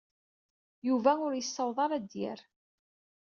Yuba ur yessaweḍ ara d-yerr.